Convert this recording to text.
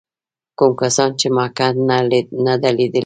کوم کسان چې مکه نه ده لیدلې.